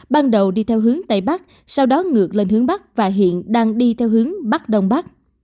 ban đầu đi theo hướng tây bắc sau đó ngược lên hướng bắc và hiện đang đi theo hướng bắc đông bắc